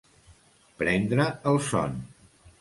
Prendre el son.